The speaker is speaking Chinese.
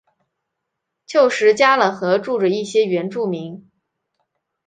旧时加冷河住着一些原住民。